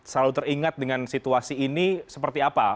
selalu teringat dengan situasi ini seperti apa